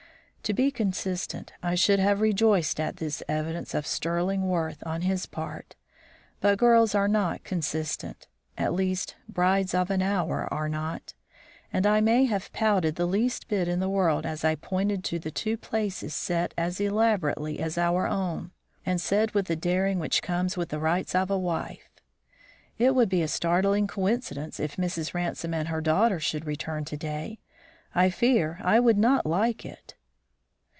To be consistent, I should have rejoiced at this evidence of sterling worth on his part; but girls are not consistent at least, brides of an hour are not and I may have pouted the least bit in the world as I pointed to the two places set as elaborately as our own, and said with the daring which comes with the rights of a wife: "It would be a startling coincidence if Mrs. Ransome and her daughter should return today. I fear I would not like it."